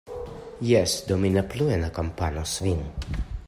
Jes, do mi ne pluen akompanos vin.